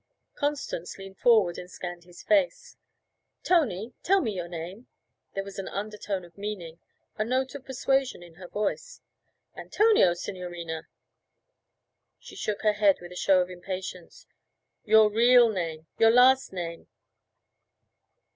Constance leaned forward and scanned his face. 'Tony! Tell me your name.' There was an undertone of meaning, a note of persuasion in her voice. 'Antonio, signorina.' She shook her head with a show of impatience. 'Your real name your last name.'